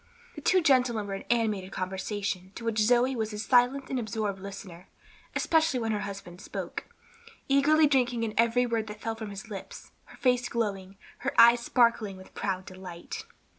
The two gentlemen were in animated conversation, to which Zoe was a silent and absorbed listener, especially when her husband spoke; eagerly drinking in every word that fell from his lips; her face glowing, her eyes sparkling with proud delight.